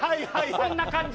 こんな感じ。